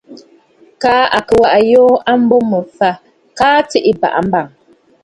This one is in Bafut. Kaa à kɨ̀ waʼa ayoo a mbo mə̀ fâ, kaa tsiʼì àbàʼa mbàŋ!